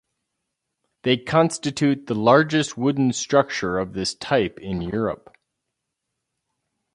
They constitute the largest wooden structure of this type in Europe.